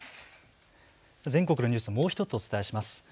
全国のニュース、もう１つお伝えします。